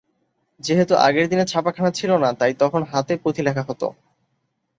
যেহেতু আগের দিনে ছাপাখানা ছিল না, তাই তখন হাতে পুঁথি লেখা হতো।